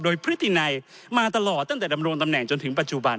โดยพฤตินัยมาตลอดตั้งแต่ดำรงตำแหน่งจนถึงปัจจุบัน